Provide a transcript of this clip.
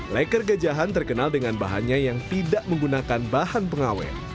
leker gejahan terkenal dengan bahannya yang tidak menggunakan bahan pengawet